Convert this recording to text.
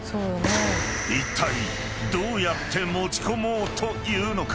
［いったいどうやって持ち込もうというのか？］